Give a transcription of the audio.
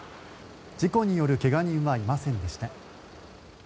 事故による怪我人はいませんでした。